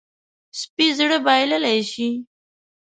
سپي زړه بایللی شي.